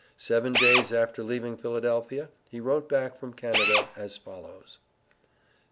Seven days after leaving Philadelphia, he wrote back from Canada as follows: ST.